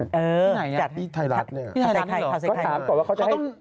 ที่ไหนน่ะที่ไทยรัฐนี่หรอก็ถามก่อนว่าเขาจะให้